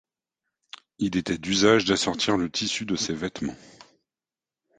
Il était d'usage d'assortir le tissu de ces vêtements.